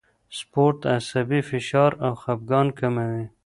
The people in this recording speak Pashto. سپورت عصبي فشار او خپګان کموي.